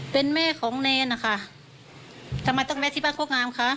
เป็นแม่ของเนรนะคะทำไมต้องแวะที่บ้านโคกงามคะ